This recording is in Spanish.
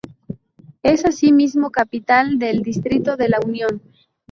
Es asimismo capital del distrito de La Unión.